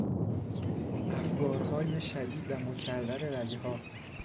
افگارهای شدید و مکرر رگها